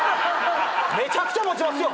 めちゃくちゃ持ちますよ。